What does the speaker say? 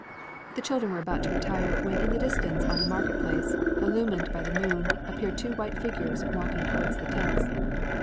The children were about to retire when in the distance on the market place, illumined by the moon, appeared two white figures walking towards the tents.